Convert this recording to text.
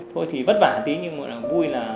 thôi thì vất vả tí nhưng mà vui là